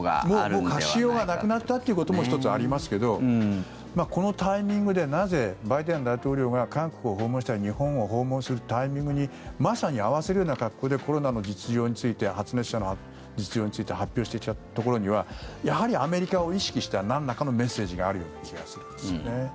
もう隠しようがなくなったということも１つありますけどこのタイミングでなぜバイデン大統領が韓国を訪問したり日本を訪問するタイミングにまさに合わせるような格好でコロナの実情について発熱者の実情について発表してきたところにはやはりアメリカを意識したなんらかのメッセージがあるような気がするんですよね。